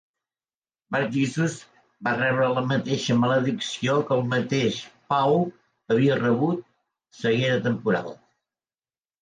Bar-Jesus va rebre la mateixa maledicció que el mateix Paul havia rebut: ceguera temporal.